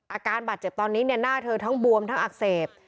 อาการบาดเจ็บตอนนี้หน้าเธอทั้งบวมทั้งอักเสบ